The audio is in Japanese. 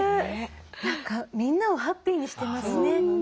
何かみんなをハッピーにしてますね。